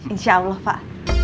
insya allah pak